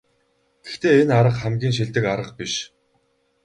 Гэхдээ энэ арга хамгийн шилдэг арга биш.